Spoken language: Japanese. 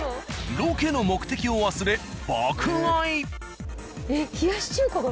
ロケの目的を忘れ爆買い。